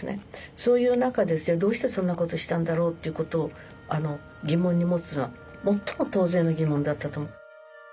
そういう中でどうしてそんなことしたんだろうということを疑問に持つのは最も当然の疑問だったと思う。